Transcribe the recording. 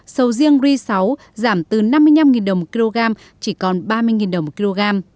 sầu riêng ri sáu giảm từ năm mươi năm đồng một kg chỉ còn ba mươi đồng một kg